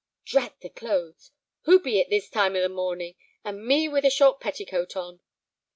"Drat the clothes! Who be it this time of the morning? And me with a short petticoat on!"